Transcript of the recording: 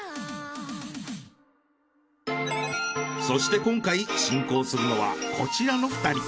そして今回進行するのはこちらの２人。